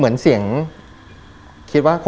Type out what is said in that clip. มันดังริ่งมาก